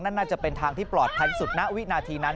นั่นน่าจะเป็นทางที่ปลอดภัยที่สุด